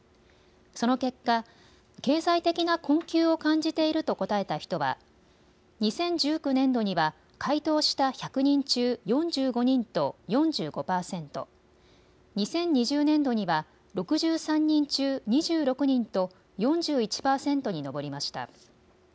その結果、経済的な困窮を感じていると答えた人は２０１９年度には回答した１００人中４５人と４５％、２０２０年度には６３人中２６人と４１％に上りました。